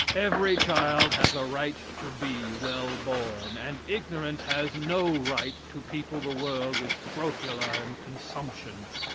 Every child has a right to be well born, and ignorance has no right to people the world with scrofula and consumption.